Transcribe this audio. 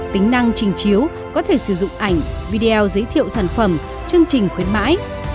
tính năng trình chiếu có thể sử dụng ảnh video giới thiệu sản phẩm chương trình khuyến mãi